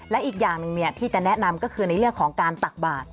และอีกอย่างหนึ่งที่จะแนะนำก็คือในเรื่องของการตักบาท